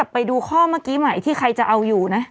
พอเมื่อกี้ไหนที่ใครจะเอาอยู่นะ